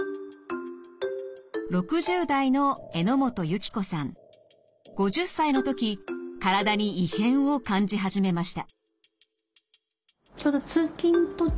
６０代の５０歳の時体に異変を感じ始めました。